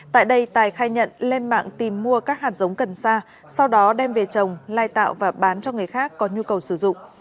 tại đây tài khai nhận lên mạng tìm mua các hạt giống cần sa sau đó đem về trồng lai tạo và bán cho người khác có nhu cầu sử dụng